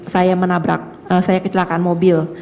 saya menabrak saya kecelakaan mobil